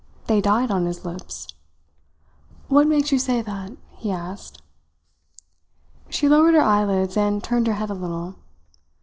They died on his lips. "What makes you say that?" he asked. She lowered her eyelids and turned her head a little.